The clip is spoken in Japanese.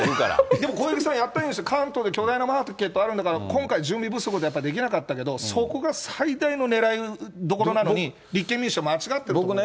でも小池さんやったらいいんですよ、関東で巨大なマーケットあるんだから、今回、準備不足でできなかったけど、そこが最大の狙いどころなのに、立憲民主は間違ってるってことですよ。